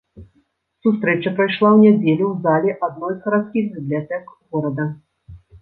Сустрэча прайшла ў нядзелю ў залі адной з гарадскіх бібліятэк горада.